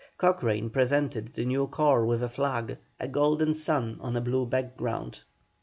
Cochrane presented the new corps with a flag, a golden sun on a blue ground.